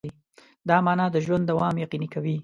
دا مانا د ژوند دوام یقیني کوي.